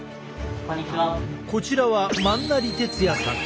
こちらは萬成哲也さん。